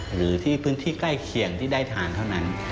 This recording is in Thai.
หรือที่พื้นที่ใกล้เคียงที่ได้ทานเท่านั้น